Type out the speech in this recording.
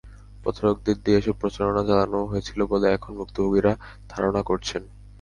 প্রতারকদের দিয়ে এসব প্রচারণা চালানো হয়েছিল বলে এখন ভুক্তভোগীরা ধারণা করছেন।